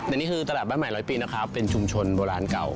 อันนี้คือตลาดบ้านใหม่ร้อยปีนะครับเป็นชุมชนโบราณเก่า